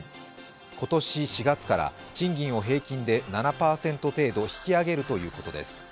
今年４月から賃金を平均で７％程度引き上げるということです。